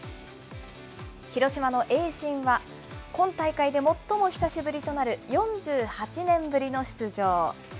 広島の盈進は、今大会で最も久しぶりとなる、４８年ぶりの出場。